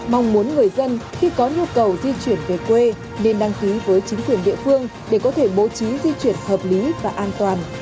mong muốn người dân khi có nhu cầu di chuyển về quê nên đăng ký với chính quyền địa phương để có thể bố trí di chuyển hợp lý và an toàn